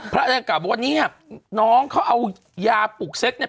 พระก่าวบอกว่านี้อ่ะน้องเขาเอายาปลูกเซ็กเนี้ย